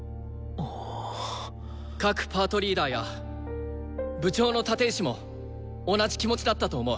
各パートリーダーや部長の立石も同じ気持ちだったと思う。